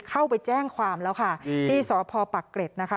เข้าไปแจ้งความแล้วค่ะที่สพปักเกร็ดนะคะ